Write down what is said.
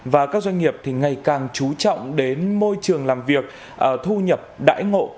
và các doanh nghiệp thì ngày càng trú trọng đến môi trường làm việc thu nhập đải ngộ